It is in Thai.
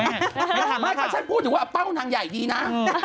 ไม่ต้องถามนะคะไม่ค่ะฉันพูดอยู่ว่าเป้าหนังใหญ่ดีนะ